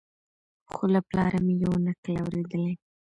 خو له پلاره مي یو نکل اورېدلی